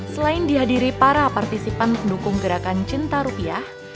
selain dihadiri para partisipan pendukung gerakan cinta rupiah